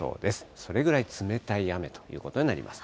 それぐらい冷たい雨ということになります。